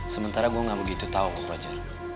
sementara gue gak begitu tau roger